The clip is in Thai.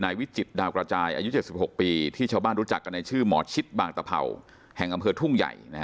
วิจิตดาวกระจายอายุ๗๖ปีที่ชาวบ้านรู้จักกันในชื่อหมอชิดบางตะเผ่าแห่งอำเภอทุ่งใหญ่